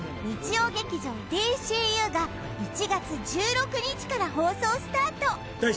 日曜劇場「ＤＣＵ」が１月１６日から放送スタート